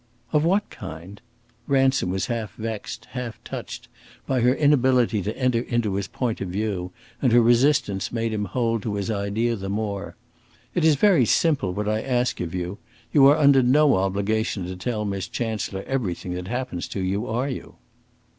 "Of what kind?" Ransom was half vexed, half touched by her inability to enter into his point of view, and her resistance made him hold to his idea the more. "It is very simple, what I ask of you. You are under no obligation to tell Miss Chancellor everything that happens to you, are you?"